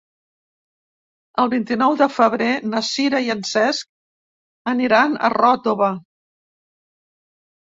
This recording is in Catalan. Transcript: El vint-i-nou de febrer na Sira i en Cesc aniran a Ròtova.